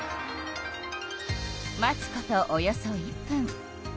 待つことおよそ１分。